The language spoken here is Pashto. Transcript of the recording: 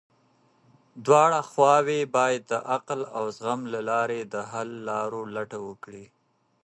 دواړه خواوې بايد د عقل او زغم له لارې د حل لارو لټه وکړي.